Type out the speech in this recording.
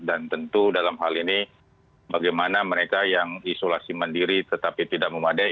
dan tentu dalam hal ini bagaimana mereka yang isolasi mandiri tetapi tidak memadai